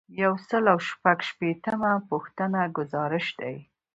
یو سل او شپږ شپیتمه پوښتنه ګزارش دی.